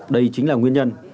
đây chính là nguyên nhân